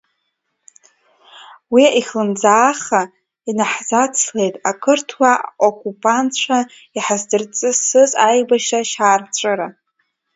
Уи ихлымӡаахха инаҳзацлеит ақырҭуа окупантцәа иҳаздырҵысыз аибашьра шьаарҵәыра.